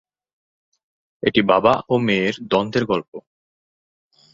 এটি বাবা ও মেয়ের দ্বন্দ্বের গল্প।